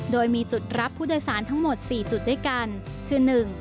โดยมีจุดรับผู้โดยสารทั้งหมด๔จุดด้วยกันคือ๑